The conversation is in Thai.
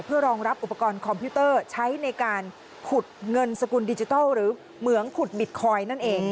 เพื่อรองรับอุปกรณ์คอมพิวเตอร์ใช้ในการขุดเงินสกุลดิจิทัลหรือเหมืองขุดบิตคอยน์นั่นเอง